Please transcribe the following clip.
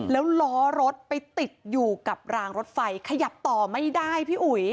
แล้วล้อรถไปติดอยู่กับรางรถไฟขยับต่อไม่ได้พี่อุ๋ย